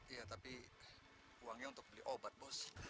iya tapi uangnya untuk beli obat bos